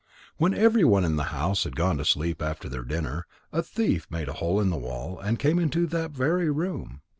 When everyone in the house had gone to sleep after their dinner, a thief made a hole in the wall and came into that very room.